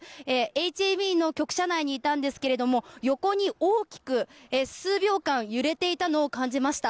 ＨＡＢの局社内にいたんですけれども横に大きく数秒間揺れていたのを感じました。